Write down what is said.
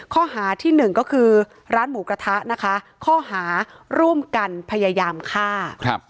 ข้อหาที่หนึ่งก็คือร้านหมูกระทะนะคะข้อหาร่วมกันพยายามฆ่า